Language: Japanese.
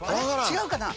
違うかな？